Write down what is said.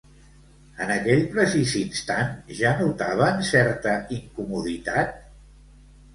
En aquell precís instant, ja notaven certa incomoditat?